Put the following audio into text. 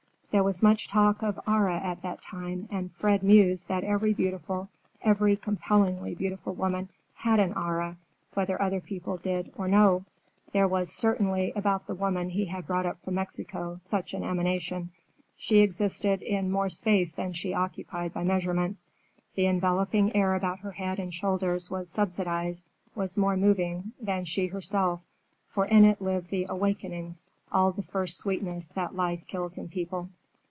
There was much talk of aurae at that time, and Fred mused that every beautiful, every compellingly beautiful woman, had an aura, whether other people did or no. There was, certainly, about the woman he had brought up from Mexico, such an emanation. She existed in more space than she occupied by measurement. The enveloping air about her head and shoulders was subsidized—was more moving than she herself, for in it lived the awakenings, all the first sweetness that life kills in people.